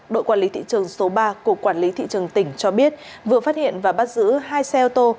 đội quản lý thị trường số ba của quản lý thị trường tỉnh cho biết vừa phát hiện và bắt giữ hai xe ô tô